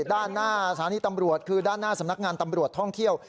ด้านหน้าสถานีตำรวจคือด้านหน้าสำนักงานตำรวจท่องเที่ยว